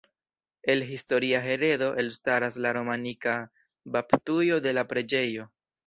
El historia heredo elstaras la romanika baptujo de la preĝejo.